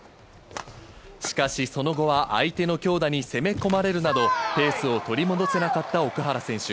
しかし、その後は相手の強打に攻め込まれるなど、ペースを取り戻せなかった奥原選手。